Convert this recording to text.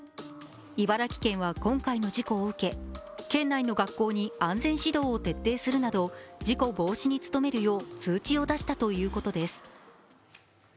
茨城県は今回の事故を受けて県内の学校に安全指導を徹底するなど事故防止に努めるよう通知を出したということです。